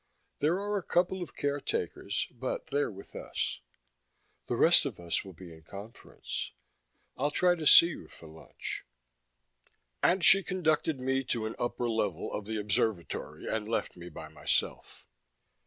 There are a couple of caretakers, but they're with us. The rest of us will be in conference. I'll try to see you for lunch." And she conducted me to an upper level of the Observatory and left me by myself.